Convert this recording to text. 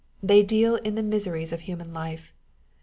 They deal in the miseries of human life.